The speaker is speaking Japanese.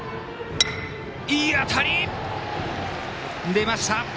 出ました。